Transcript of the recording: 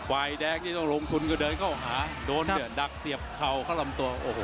วายแดงที่รงทุนก็เดินเข้าหาโดนใหญ่ดาคนั้นเสียบเขาเข้าลำตัว